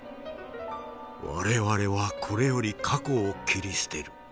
我々はこれより過去を切り捨てる。